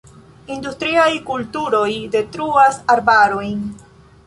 Industriaj kulturoj detruas arbarojn.